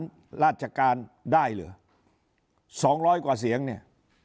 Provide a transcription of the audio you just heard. มีหารราชการได้เหรอ๒๐๐กว่าเสียงเนี่ย